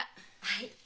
はい。